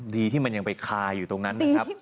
ดีที่มันยังไปคาอยู่ตรงนั้นนะครับ